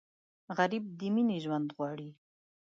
غریب له مینې ژوند غواړي